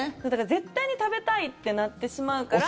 絶対に食べたいってなってしまうから。